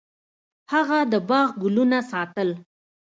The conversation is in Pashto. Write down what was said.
هغه د باغ ګلونه ساتل.